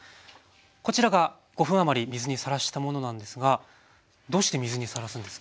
こちらが５分余り水にさらしたものなんですがどうして水にさらすんですか？